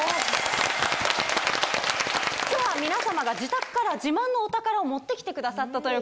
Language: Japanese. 皆さまが自宅から自慢のお宝を持って来てくださったという。